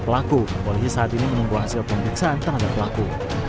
pelaku polisi saat ini menunggu hasil pembiksaan terhadap pelaku